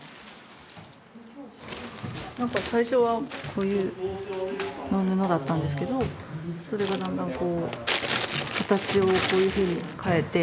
何か最初はこういう布だったんですけどそれがだんだんこう形をこういうふうに変えて。